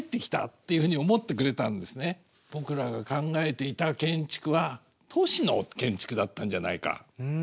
僕らが考えていた建築は都市の建築だったんじゃないか。